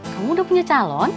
kamu udah punya calon